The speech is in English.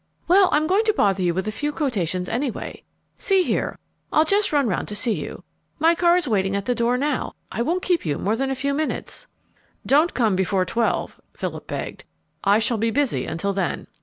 "Well, I'm going to bother you with a few quotations, anyway. See here, I'll just run round to see you. My car is waiting at the door now. I won't keep you more than a few minutes." "Don't come before twelve," Philip begged. "I shall be busy until then."